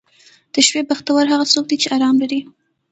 • د شپې بختور هغه څوک دی چې آرام لري.